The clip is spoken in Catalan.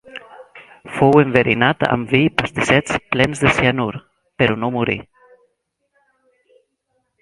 Fou enverinat amb vi i pastissets plens de cianur, però no morí.